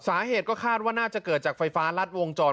สาเหตุก็คาดว่าน่าจะเกิดจากไฟฟ้ารัดวงจร